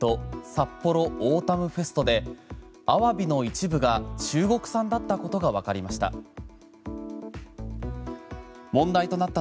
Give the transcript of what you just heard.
さっぽろオータムフェストでアワビの一部が中国産だったことがわかりました。